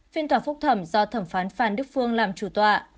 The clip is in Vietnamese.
phiên tòa phúc thẩm do thẩm phán phan đức phương làm chủ tòa